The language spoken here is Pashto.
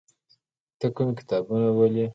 ته کوم کتابونه ولې؟